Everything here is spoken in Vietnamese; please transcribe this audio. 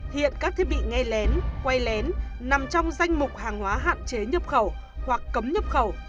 hiện các thiết bị nghe lén quay lén nằm trong danh mục hàng hóa hạn chế nhập khẩu hoặc cấm nhập khẩu